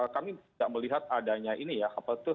kami tidak melihat adanya ini ya